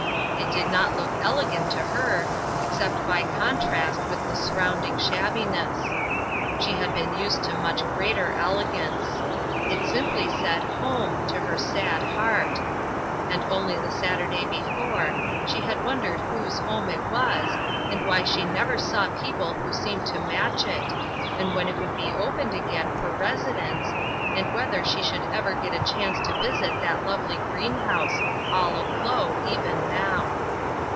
It did riot look elegant to her, except by contrast with the surround ing shabbiness. She had been used to much greater elegance. It simply said "home" to her sad heart ; and only the Saturday before, she had wondered whose home it was, and why she never saw people who seemed to match it, and when it would be opened again for residence, and whether she should ever get a chance to visit that lovely greenhouse, all aglow even now.